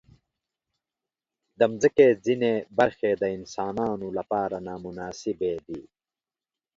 د مځکې ځینې برخې د انسانانو لپاره نامناسبې دي.